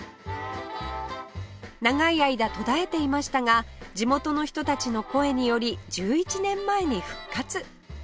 長い間途絶えていましたが地元の人たちの声により１１年前に復活